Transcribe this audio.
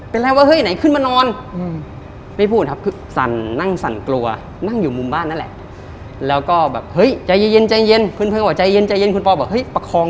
เป็นอะไรวะเฮ้ยไหนขึ้นมานอน